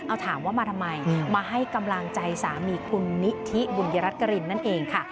เอาถามว่ามาทำไมมาให้กำลังใจสามีคุณนิธิบุญยรัฐกรินนั่นเองค่ะ